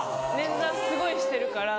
捻挫すごいしてるから。